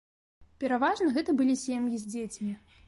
Пераважна гэта былі сем'і з дзецьмі.